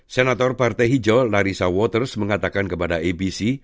senator partai hijau larissa waters mengatakan kepada abc